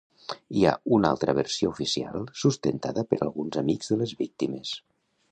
Hi ha una altra versió oficial sustentada per alguns amics de les víctimes.